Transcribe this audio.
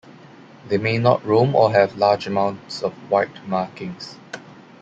They may not be roan or have large amounts of white markings.